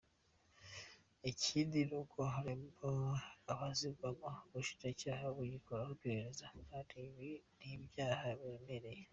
Ikindi ni uko harimo abazivugwamo Ubushinjacyaha bugikoraho iperereza kandi ibi ni ibyaha biremereye.